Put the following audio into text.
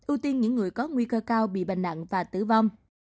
ưu tiên những người có nguy cơ cao bị bệnh nặng và tử vong